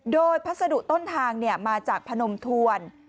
โดยพัสดุต้นทางมาจากพนมทวน